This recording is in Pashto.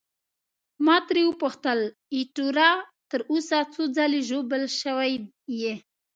ما ترې وپوښتل: ایټوره، تر اوسه څو ځلي ژوبل شوی یې؟